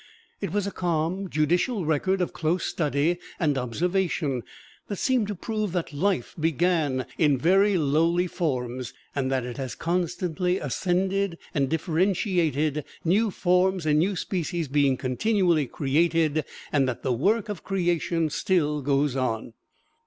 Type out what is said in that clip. It was a calm, judicial record of close study and observation, that seemed to prove that life began in very lowly forms, and that it has constantly ascended and differentiated, new forms and new species being continually created, and that the work of creation still goes on.